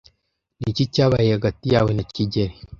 Ni iki cyabaye hagati yawe na kigeli?